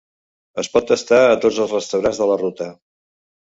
Es pot tastar a tots els restaurants de la ruta.